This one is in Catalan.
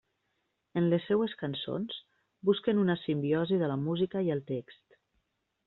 En les seues cançons busquen una simbiosi de la música i el text.